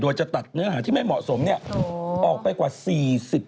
โดยจะตัดเนื้อหาที่ไม่เหมาะสมออกไปกว่า๔๐เปอร์เซ็นต์